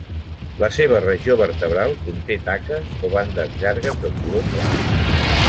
La seva regió vertebral conté taques o bandes llargues de color clar.